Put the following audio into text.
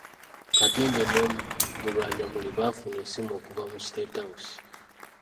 Katende ne Mulwanyammuli bafuna essimu okuva mu State House